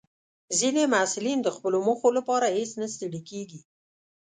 ځینې محصلین د خپلو موخو لپاره هیڅ نه ستړي کېږي.